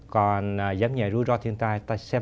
còn giám nhạy rủi ro thiên tai